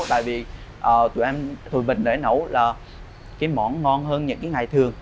tại vì tụi mình để nấu là cái món ngon hơn những cái ngày thường